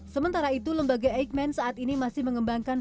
sementara itu lembaga eijkman saat ini masih mengembangkan